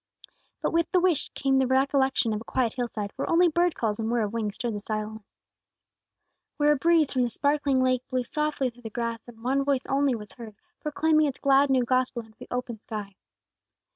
But with the wish came the recollection of a quiet hillside, where only bird calls and whirr of wings stirred the stillness; where a breeze from the sparkling lake blew softly through the grass, and one Voice only was heard, proclaiming its glad new gospel under the open sky.